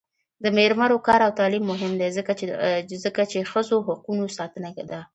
د میرمنو کار او تعلیم مهم دی ځکه چې ښځو حقونو ساتنه ده.